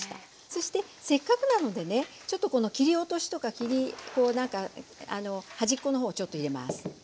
そしてせっかくなのでねちょっとこの切り落としとか端っこの方をちょっと入れます。